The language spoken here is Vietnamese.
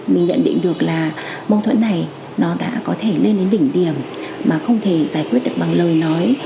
mình nhận định được là mâu thuẫn này nó đã có thể lên đến đỉnh điểm mà không thể giải quyết được bằng lời nói